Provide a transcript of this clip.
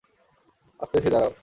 আসতেছি, দাঁড়াও।